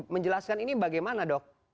menjelaskan ini bagaimana dok